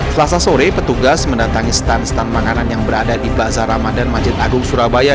selasa sore petugas mendatangi stand stand makanan yang berada di bazar ramadan masjid agung surabaya